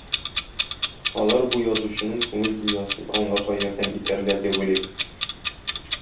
Алар бу язучының күңел дөньясын аңларга ярдәм итәрләр дип уйлыйм.